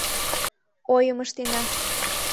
Ойым ыштена